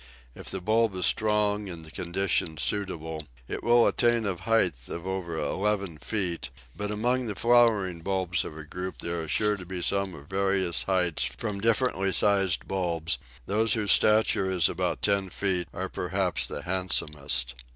If the bulb is strong and the conditions suitable, it will attain a height of over eleven feet, but among the flowering bulbs of a group there are sure to be some of various heights from differently sized bulbs; those whose stature is about ten feet are perhaps the handsomest.